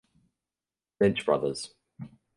Lynch Brothers.